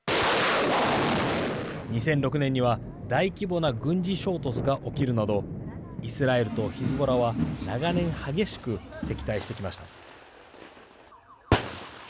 ２００６年には大規模な軍事衝突が起きるなどイスラエルとヒズボラは長年、激しく敵対してきました。